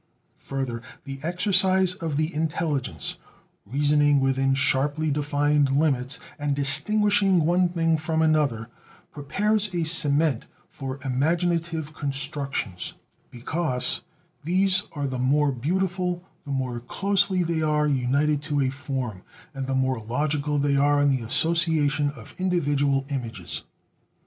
Further, the exercise of the intelligence, reasoning within sharply defined limits, and distinguishing one thing from another, prepares a cement for imaginative constructions; because these are the more beautiful the more closely they are united to a form, and the more logical they are in the association of individual images.